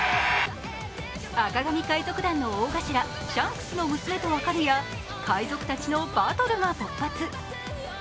赤髪海賊団の大頭シャンクスの娘と分かるや海賊たちのバトルが勃発。